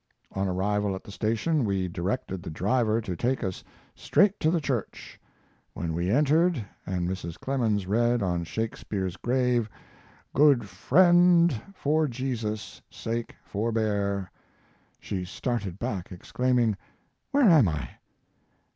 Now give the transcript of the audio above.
On arrival at the station we directed the driver to take us straight to the church. When we entered, and Mrs. Clemens read on Shakespeare's grave, 'Good friend, for Jesus' sake, forbear,' she started back, exclaiming, 'where am I?'